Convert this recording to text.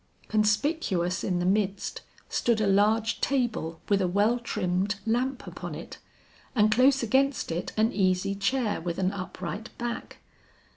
Conspicuous in the midst stood a large table with a well trimmed lamp upon it, and close against it an easy chair with an upright back.